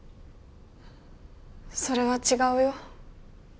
それは違うよ。